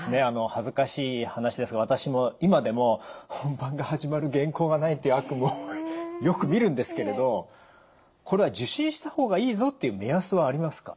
恥ずかしい話ですが私も今でも「本番が始まる原稿がない」っていう悪夢をよくみるんですけれどこれは受診した方がいいぞっていう目安はありますか？